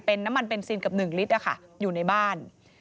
เป็นน้ำมันเบนซินกับ๑ลิตรอยู่ในบ้าน